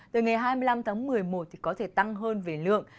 từ ngày hai mươi năm tháng một mươi một thì có thể tăng hơn về lượng